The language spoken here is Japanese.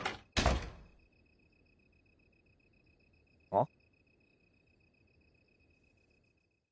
あっ。